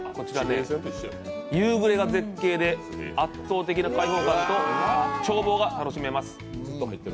夕暮れが絶景で、圧倒的な開放感と眺望が楽しめます。